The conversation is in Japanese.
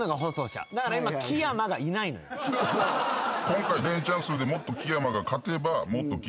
今回レンチャン数でもっと木山が勝てば。